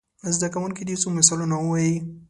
زده کوونکي دې څو مثالونه ووايي.